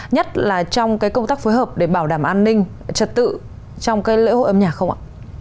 nhất là trong công tác phối hợp để bảo đảm an ninh chặt tự trong lễ hội âm nhạc không ạ